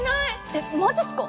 えっマジっすか？